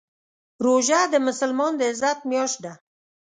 روژه د مسلمان د عزت میاشت ده.